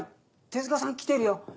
手塚さん来てるよ。